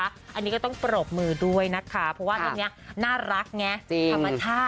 อันนี้ก็ต้องปรบมือด้วยนะคะเพราะว่าเรื่องนี้น่ารักไงธรรมชาติ